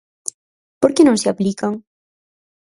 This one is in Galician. ¿Por que non se aplican?